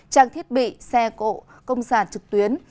trang thiết bị xe cộ công sản trực tuyến